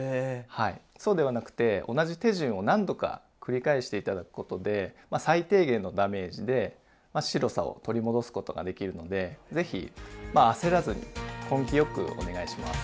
はいそうではなくて同じ手順を何度か繰り返して頂くことで最低限のダメージで白さを取り戻すことができるので是非まあ焦らずに根気よくお願いします。